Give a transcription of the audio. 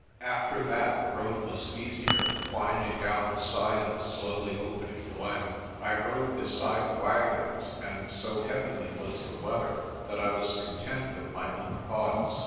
After that the road was easier, winding down the side of a slowly opening glen. I rode beside the wagons, and so heavenly was the weather that I was content with my own thoughts.